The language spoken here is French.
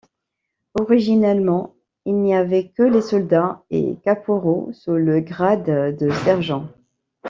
Originellement, il n'y avait que les soldats et caporaux sous le grade de sergent.